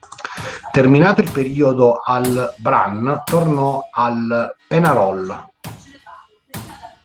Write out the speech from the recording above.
Terminato il periodo al Brann, tornò al Peñarol.